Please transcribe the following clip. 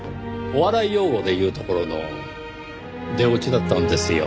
お笑い用語で言うところの出オチだったんですよ。